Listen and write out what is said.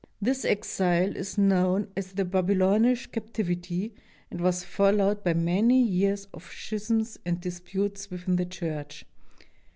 This exile is known as the "Babylonish Captivity" and was followed by many years of schisms and disputes within the Church.